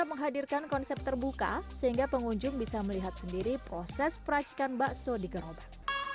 bisa menghadirkan konsep terbuka sehingga pengunjung bisa melihat sendiri proses peracikan bakso di gerobak